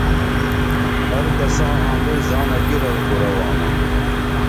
ہر کساں آنگوعی زانہ کی رل کُرہ وامہ